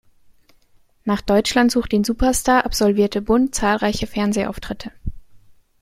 Nach "Deutschland sucht den Superstar" absolvierte Bund zahlreiche Fernsehauftritte.